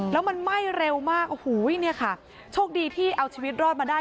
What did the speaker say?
แล้วมันไหม้เร็วมากโอ้โหเนี่ยค่ะโชคดีที่เอาชีวิตรอดมาได้